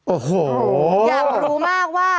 โอ้โหอยากรู้มากว่า